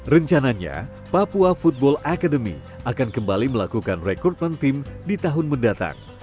rencananya papua football academy akan kembali melakukan rekrutmen tim di tahun mendatang